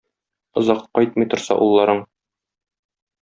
Озак кайтмый торса улларың?!